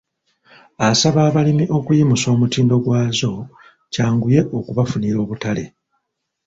Asaba abalimi okuyimusa omutindo gwazo kyanguye okubafunira obutale.